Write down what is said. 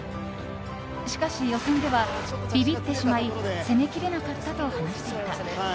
しかし、予選ではビビってしまい攻めきれなかったと話していた。